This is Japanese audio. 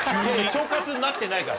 腸活になってないから。